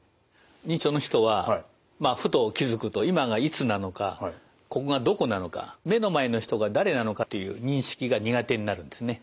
認知症の人はふと気付くと今がいつなのかここがどこなのか目の前の人が誰なのかという認識が苦手になるんですね。